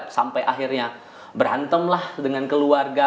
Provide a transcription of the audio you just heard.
sampai akhirnya berantemlah dengan keluarga